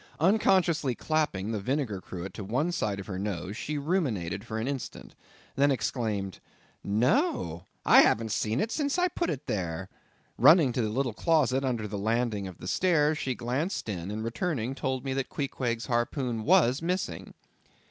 Unconsciously clapping the vinegar cruet to one side of her nose, she ruminated for an instant; then exclaimed—"No! I haven't seen it since I put it there." Running to a little closet under the landing of the stairs, she glanced in, and returning, told me that Queequeg's harpoon was missing.